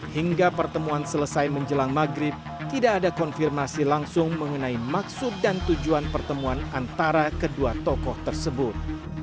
hingga pertemuan selesai menjelang maghrib tidak ada konfirmasi langsung mengenai maksud dan tujuan pertemuan antara kedua tokoh tersebut